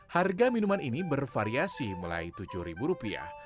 harga minuman ini bervariasi mulai tujuh ribu rupiah